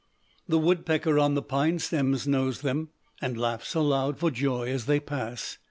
"The woodpecker on the pine stems knows them, and laughs aloud for joy as they pass.